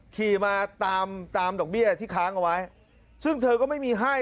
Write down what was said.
ขี่มาตามตามดอกเบี้ยที่ค้างเอาไว้ซึ่งเธอก็ไม่มีให้